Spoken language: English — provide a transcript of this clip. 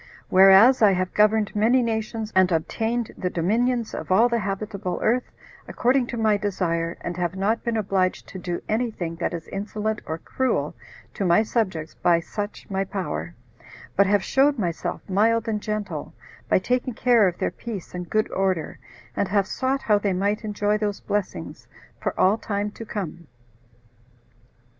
Whereas I have governed many nations, and obtained the dominions of all the habitable earth, according to my desire, and have not been obliged to do any thing that is insolent or cruel to my subjects by such my power, but have showed myself mild and gentle, by taking care of their peace and good order, and have sought how they might enjoy those blessings for all time to come.